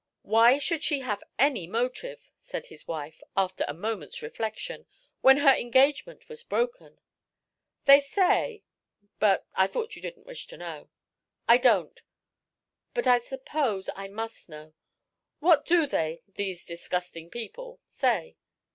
"Why should she have any motive?" said his wife, after a moment's reflection "when her engagement was broken?" "They say but I thought you didn't wish to know." "I don't, but I suppose, I must know. What do they these disgusting people say?"